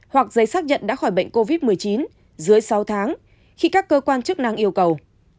hoặc giấy xác nhận đã khỏi bệnh covid một mươi chín dưới sáu tháng khi các cơ quan chức năng yêu cầu